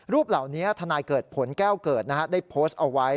เหล่านี้ทนายเกิดผลแก้วเกิดได้โพสต์เอาไว้